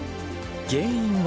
原因は？